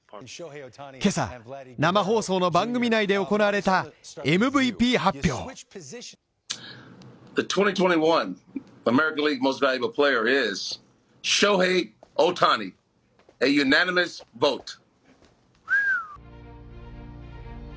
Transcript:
今朝は生放送の番組内で行われたＭＶＰ発表です。